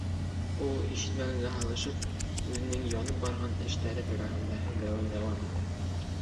Ул, ишетмәгәнгә һалышып, үҙенең «янып» барған эштәре тураһында һөйләүен дауам итә.